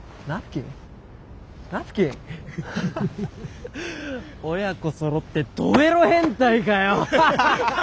ハハハ親子そろってドエロ変態かよ！